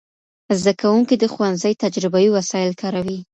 زدهکوونکي د ښوونځي تجربوي وسایل کاروي.